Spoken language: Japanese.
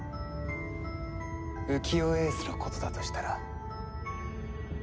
浮世英寿のことだとしたら？